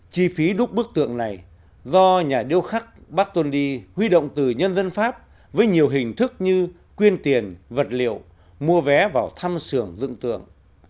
chi phí đúc bức tượng này do nhà điêu khắc bartondi huy động từ nhân dân pháp với nhiều hình thức như quyên tiền vật liệu mua vé vào thăm xưởng dựng tượng